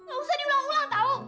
gak usah diulang ulang tau